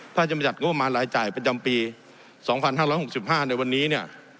ถ้าจะมาจัดงบมารรายจ่ายประจำปีสองพันห้าร้อยหกสิบห้าในวันนี้เนี่ย